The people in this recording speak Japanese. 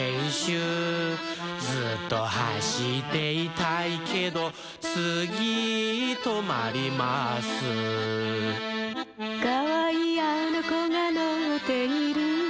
「ずっとはしっていたいけど」「つぎとまります」「かわいいあのこがのっている」